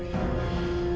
pandemi ragam weer